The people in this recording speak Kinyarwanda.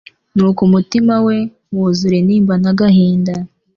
nuko umutima we wuzura intimba n'agahinda